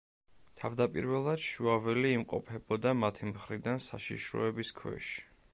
თავდაპირველად შუაველი იმყოფებოდა მათი მხრიდან საშიშროების ქვეშ.